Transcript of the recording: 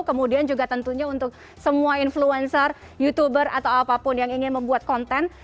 kemudian juga tentunya untuk semua influencer youtuber atau apapun yang ingin membuat konten